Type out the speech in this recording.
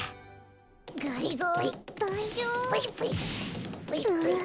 がりぞーだいじょうぶ？